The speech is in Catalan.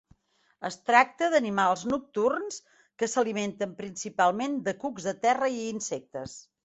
Es tracta d'animals nocturns que s'alimenten principalment de cucs de terra i insectes.